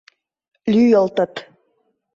Лӱйылтыт.